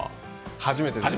初めてです。